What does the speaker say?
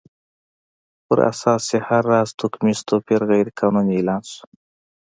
پر اساس یې هر راز توکمیز توپیر غیر قانوني اعلان شو.